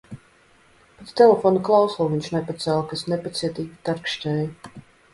Pat telefona klausuli viņš nepacēla, kas nepacietīgi tarkšķēja.